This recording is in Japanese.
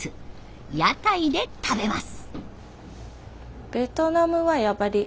屋台で食べます。